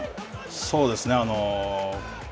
そうですね。